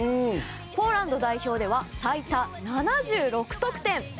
ポーランド代表では最多７６得点。